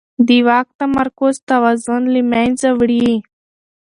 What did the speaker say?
د واک تمرکز توازن له منځه وړي